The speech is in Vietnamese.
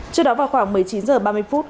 trước đó vào khoảng một mươi chín h ba mươi phút